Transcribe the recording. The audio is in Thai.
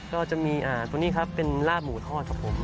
ก็จะมีตัวนี้ครับเป็นลาบหมูทอดครับผม